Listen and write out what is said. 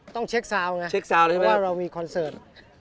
ต้องเช็คซาวน์ไงเพราะว่าเรามีคอนเซิร์ตช็คซาวน์แล้วดี